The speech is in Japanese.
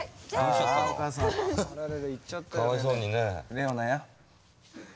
レオナや。